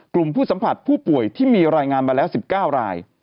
กลุ่มผู้สัมผัสผู้ป่วยที่มีรายงานมาแล้ว๑๙ราย